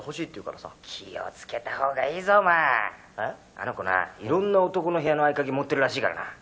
「あの子ないろんな男の部屋の合鍵持ってるらしいからな」